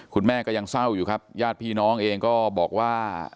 คุณแม่ก็ยังเศร้าอยู่ครับญาติพี่น้องเองก็บอกว่า